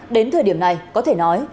đến thời điểm này có thể nói